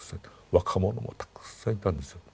若者もたくさんいたんですよ。